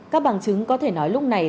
các bằng chứng có thể nói lúc này